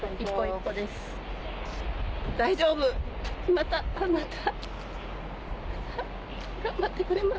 またまた。